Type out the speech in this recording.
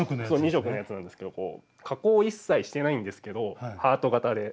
２色のやつなんですけど加工を一切してないんですけどハート形でかわいくないですか？